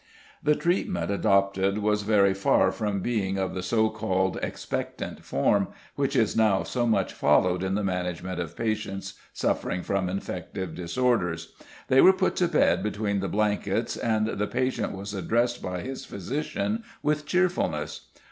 The treatment adopted was very far from being of the so called "expectant" form which is now so much followed in the management of patients suffering from infective disorders. They were put to bed between the blankets, and the patient was addressed by his physician "with cheerfulness."